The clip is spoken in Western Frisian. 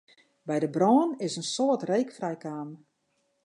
By de brân is in soad reek frijkaam.